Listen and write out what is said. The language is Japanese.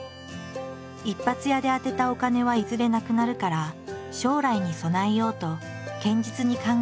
一発屋で当てたお金はいずれなくなるから将来に備えようと堅実に考えている。